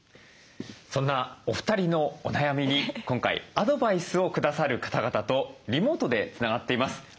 そんなお二人のお悩みに今回アドバイスを下さる方々とリモートでつながっています。